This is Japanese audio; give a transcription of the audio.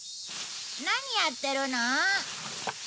何やってるの？